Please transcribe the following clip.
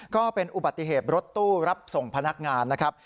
ก็เป็นอุบัติเหตุรถตู้รับส่งพนักงานนะครับ